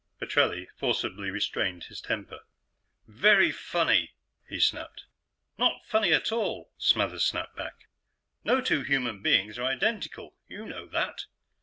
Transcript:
Petrelli forcibly restrained his temper. "Very funny," he snapped. "Not funny at all," Smathers snapped back. "No two human beings are identical you know that."